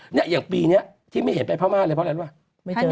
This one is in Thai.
ในปีกี่ที่ไม่เห็นไปพระมหาสเลยเพราะอะไรหรือว่ะ